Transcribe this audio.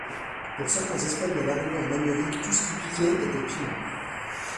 Pour certains Espagnols arrivés en Amérique, tout ce qui piquait était piment.